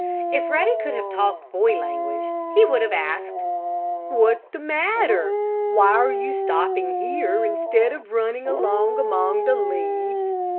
If Ruddy could have talked boy language he would have asked: "What's the matter? Why are you stopping here instead of running along among the leaves?